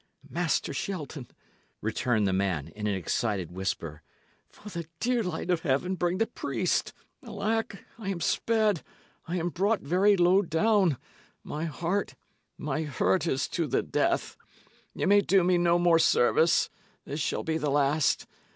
"Master Shelton," returned the man, in an excited whisper, "for the dear light of heaven, bring the priest. Alack, I am sped; I am brought very low down; my hurt is to the death. Ye may do me no more service; this shall be the last.